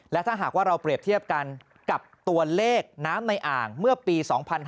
และถ้าหากว่าเราเปรียบเทียบกันกับตัวเลขน้ำในอ่างเมื่อปี๒๕๕๙